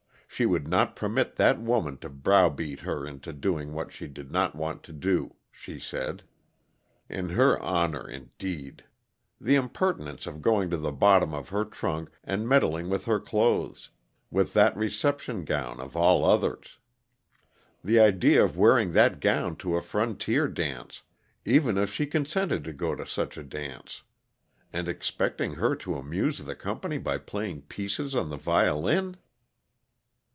She would not permit that woman to browbeat her into doing what she did not want to do, she said. In her honor, indeed! The impertinence of going to the bottom of her trunk, and meddling with her clothes with that reception gown, of all others! The idea of wearing that gown to a frontier dance even if she consented to go to such a dance! And expecting her to amuse the company by playing "pieces" on the violin!